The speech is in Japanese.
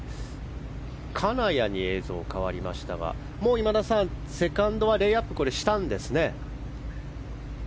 金谷に変わりましたが今田さん、セカンドはレイアップしたんですね。